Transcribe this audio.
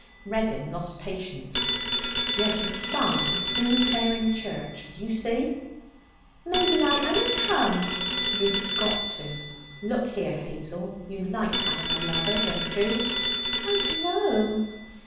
Reddin lost patience. 'You're to start as soon as they're in church, d'you see?' 'Maybe I 'unna come.' 'You've got to. Look here, Hazel, you like having a lover, don't you?' 'I dunno.'